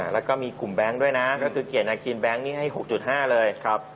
แล้วก็มีกลุ่มแบงค์ด้วยนะก็คือเกียรตินาคีนแก๊งนี้ให้๖๕เลย